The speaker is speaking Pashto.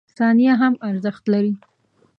• ثانیه هم ارزښت لري.